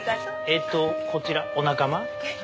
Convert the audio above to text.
えっとこちらお仲間？